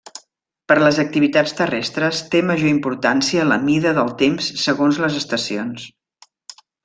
Per les activitats terrestres té major importància la mida del temps segons les estacions.